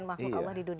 makhluk allah di dunia